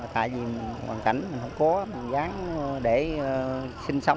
tại vì hoàn cảnh mình không có mình dán để sinh sống